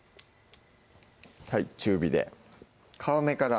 中火で皮目から？